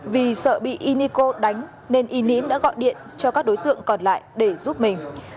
vì sợ bị unico đánh nên y ním đã gọi điện cho các đối tượng còn lại để giúp mình